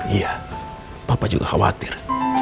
iya papa juga khawatir